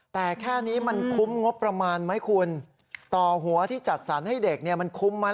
แต่แค่นี้มันคุ้มงบประมาณไหมคุณต่อหัวที่จัดสรรให้เด็กเนี่ยมันคุ้มไหม